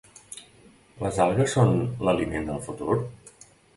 Les algues són l’aliment del futur?